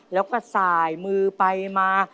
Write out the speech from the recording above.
แล้วก็สายมือไปมา